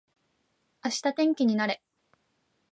明日天気になれ